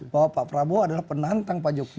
bahwa pak prabowo adalah penantang pak jokowi